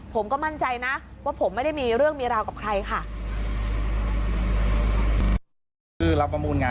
ผมก็มั่นใจนะว่าผมไม่ได้มีเรื่องมีราวกับใครค่ะ